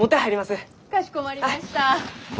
かしこまりました。